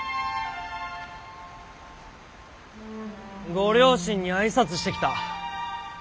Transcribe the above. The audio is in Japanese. ご両親に挨拶してきた。